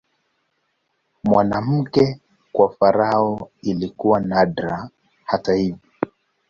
Mwanamke kuwa farao ilikuwa nadra, hata hivyo.